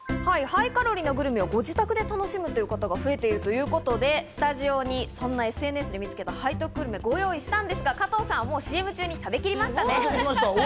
ハイカロリーなグルメをご自宅で楽しむという方が増えているということで、スタジオにそんなＳＮＳで見つけた背徳グルメをご用意したんですが、ＣＭ中に加藤さんは食べきりました。